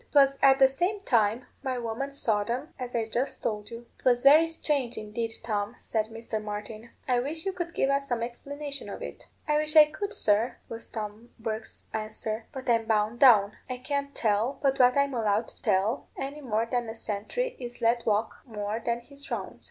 'Twas at the same time my woman saw them, as I just told you." "'Twas very strange, indeed, Tom," said Mr. Martin; "I wish you could give us some explanation of it." "I wish I could, sir," was Tom Bourke's answer; "but I'm bound down. I can't tell but what I'm allowed to tell, any more than a sentry is let walk more than his rounds."